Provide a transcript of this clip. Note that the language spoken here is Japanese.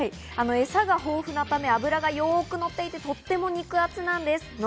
エサが豊富なため、脂がよくのっていて、とっても肉厚なんです。